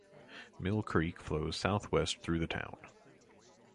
Mill Creek flows southwest through the town.